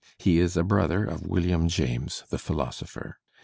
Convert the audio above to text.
He is a brother of William James, the philosopher.